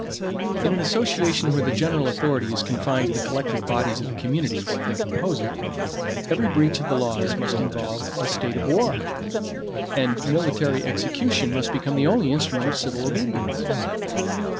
In an association where the general authority is confined to the collective bodies of the communities, that compose it, every breach of the laws must involve a state of war; and military execution must become the only instrument of civil obedience.